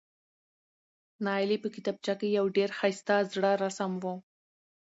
نایلې په کتابچه کې یو ډېر ښایسته زړه رسم و،